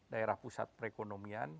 daerah pusat perekonomian